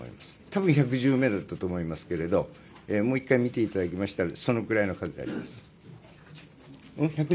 多分、１１０名だったと思いますけれどもう１回、見ていただけましたらそのくらいの数であります。